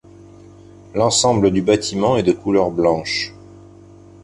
L'ensemble du bâtiment est de couleur blanche.